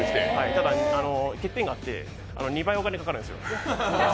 ただ欠点があって２倍お金かかるんですよ。